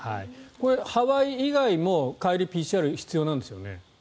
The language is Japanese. ハワイ以外も帰り、ＰＣＲ必要なんですよね？